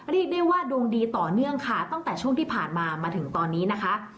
เรียกได้ว่าดวงดีต่อเนื่องค่ะตั้งแต่ช่วงที่ผ่านมามาถึงตอนนี้นะคะ